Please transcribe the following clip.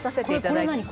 「これ何？